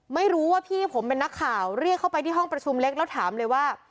ไม่รู้ว่าพี่ผมเป็นนักข่าวเรียกเข้าไปที่ห้องประชุมเล็กแล้วถามเลยว่า